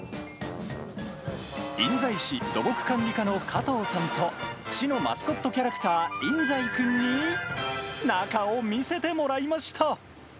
印西市土木管理課の加藤さんと、市のマスコットキャラクター、いんザイ君に中を見せてもらいました。